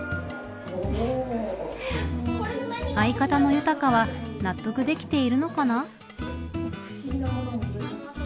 相方の悠鷹は納得できているのかな。